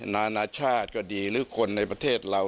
นานาชาติก็ดีหรือคนในประเทศเรา